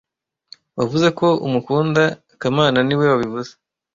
Wavuze ko umukunda kamana niwe wabivuze